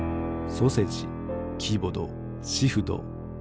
ソセジキボドシフド。